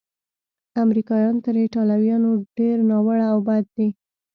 امریکایان تر ایټالویانو ډېر ناوړه او بد دي.